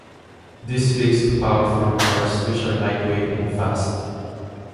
This leads to powerful cars which are lightweight and fast.